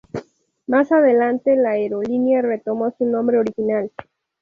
Más adelante la aerolínea retomó su nombre original.